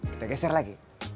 kita geser lagi